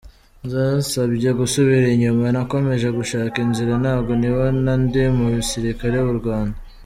Zansabye gusubira inyuma, nakomeje gushaka inzira nabwo nibona ndi mu basirikare b’u Rwanda.